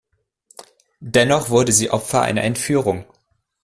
Dennoch wurde sie Opfer einer Entführung.